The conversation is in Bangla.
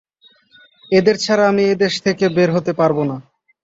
এদের ছাড়া আমি এই দেশ থেকে বের হতে পারব না।